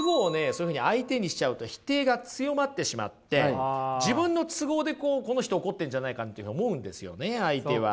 そういうふうに相手にしちゃうと否定が強まってしまって自分の都合でこの人怒ってるんじゃないかって思うんですよね相手は。